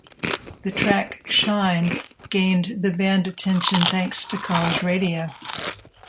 The track "Shine" gained the band attention thanks to college radio.